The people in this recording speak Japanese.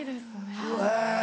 え